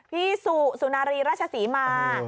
พี่สุสุนารีราชสีมา